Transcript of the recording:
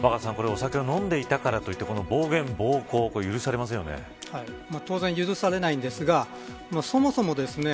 お酒を飲んでたからといって当然、許されないんですがそもそもですね